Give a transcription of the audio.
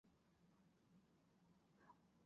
曾担任中国人民解放军成都军区某师师长。